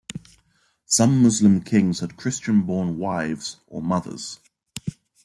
Some Muslim kings had Christian-born wives or mothers.